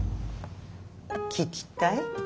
聞きたい？